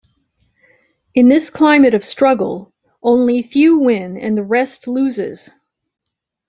In this climate of struggle, only few win and the rest loses.